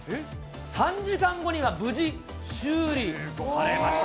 ３時間後には無事修理されました。